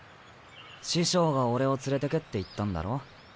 師匠が俺を「連れてけ」って言ったんだろ。